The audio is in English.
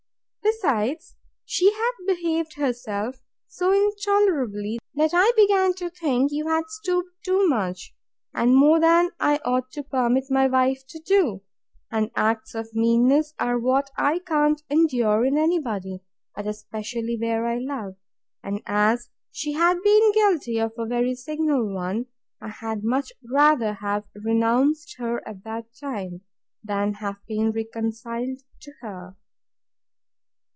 Besides, she had behaved herself so intolerably, that I began to think you had stooped too much, and more than I ought to permit my wife to do; and acts of meanness are what I can't endure in any body, but especially where I love: and as she had been guilty of a very signal one, I had much rather have renounced her at that time, than have been reconciled to her.